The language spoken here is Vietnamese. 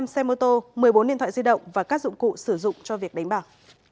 năm xe mô tô một mươi bốn điện thoại di động và các dụng cụ sử dụng cho việc đánh bạc